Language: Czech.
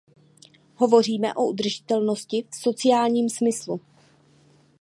Hovoříme o udržitelnosti v sociálním smyslu.